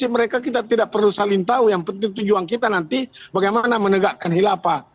mereka kita tidak perlu saling tahu yang penting tujuan kita nanti bagaimana menegakkan hilafah